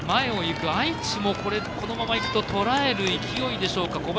愛知も、このままいくととらえる勢いでしょうか。